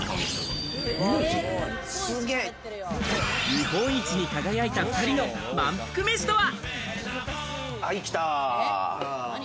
日本一に輝いた２人のまんぷく飯とは？